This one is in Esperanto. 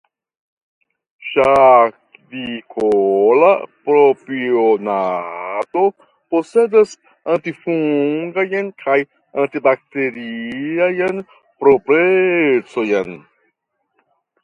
Ŝavikola propionato posedas antifungajn kaj antibakteriajn proprecojn.